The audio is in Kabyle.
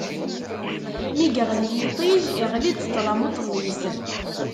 Mi yeɣli yiṭij, iɣli-d ṭṭlam uṭellis.